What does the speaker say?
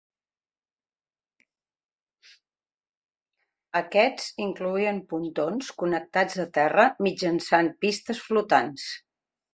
Aquests incloïen pontons connectats a terra mitjançant pistes flotants.